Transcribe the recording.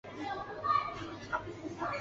兰达尔出生在加州太平洋丛林。